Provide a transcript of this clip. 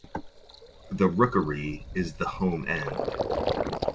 The Rookery is the "home end".